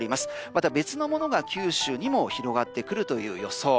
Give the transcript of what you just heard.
また別のものが九州にも広がってくる予想。